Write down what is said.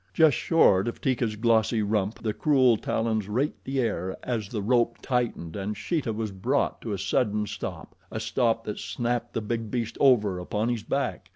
Just short of Teeka's glossy rump the cruel talons raked the air as the rope tightened and Sheeta was brought to a sudden stop a stop that snapped the big beast over upon his back.